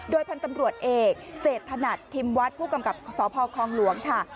พันธุ์ตำรวจเอกเศษถนัดทิมวัดผู้กำกับสพคลองหลวงค่ะ